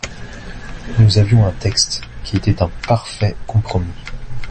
Nous avions un texte qui était un parfait compromis.